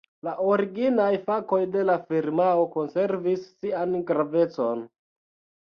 La originaj fakoj de la firmao konservis sian gravecon.